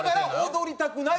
「踊りたくない」